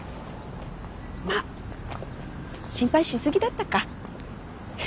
まっ心配しすぎだったか。